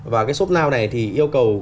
và cái shopnow này thì yêu cầu